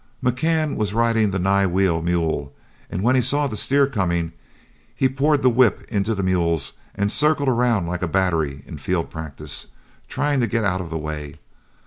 McCann was riding the nigh wheel mule, and when he saw the steer coming, he poured the whip into the mules and circled around like a battery in field practice, trying to get out of the way.